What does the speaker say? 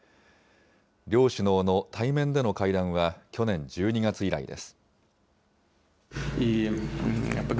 両首脳の対面での会談は去年１２月以来です。